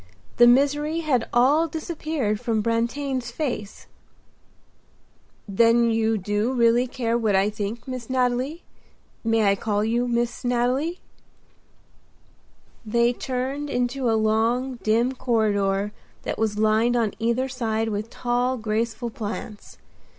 The misery had all disappeared from Brantain's face. "Then you do really care what I think, Miss Nathalie? May I call you Miss Nathalie?" They turned into a long, dim corridor that was lined on either side with tall, graceful plants.